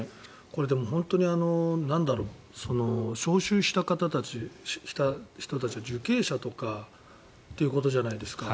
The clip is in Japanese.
これ、でも本当に招集された方たちは受刑者とかということじゃないですか。